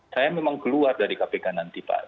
saya memang keluar dari kpk nanti pak